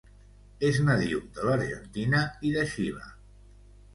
És nadiu de l'Argentina i de Xile.